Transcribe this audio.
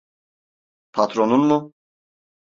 Patronun mu?